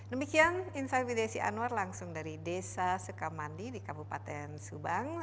demikian insight with desi anwar langsung dari desa sukamandi di kabupaten subang